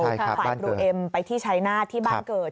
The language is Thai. ทางฝ่ายครูเอ็มไปที่ชัยนาธิ์ที่บ้านเกิด